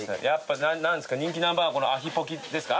人気ナンバーワンはアヒポキですか？